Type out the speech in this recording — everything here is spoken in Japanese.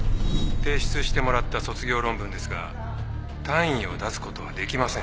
提出してもらった卒業論文ですが単位を出すことはできません